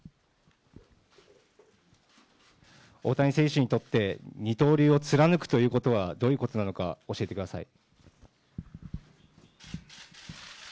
大谷選手にとって二刀流を貫くというのはどういうことなのか教えてください。